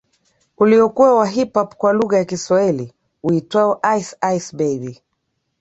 Uliokuwa wa Hip Hop kwa lugha ya Kiswahili uitwao Ice Ice Baby